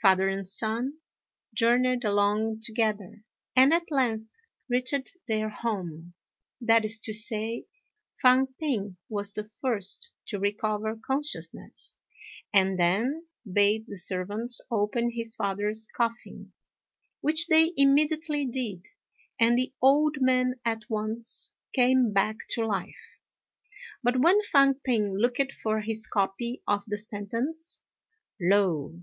Father and son journeyed along together, and at length reached their home; that is to say, Fang p'ing was the first to recover consciousness, and then bade the servants open his father's coffin, which they immediately did, and the old man at once came back to life. But when Fang p'ing looked for his copy of the sentence, lo!